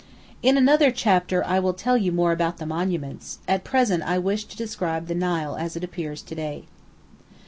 In another chapter I will tell you more about the monuments; at present I wish to describe the Nile as it appears to day.